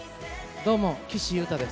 どうも、岸優太です。